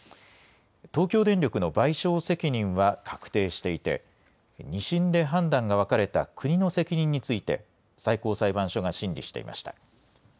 東京電力の賠償責任は確定していて、２審で判断が分かれた国の責任について、最高裁判所が審理していました。